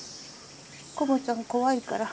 コモちゃん怖いから。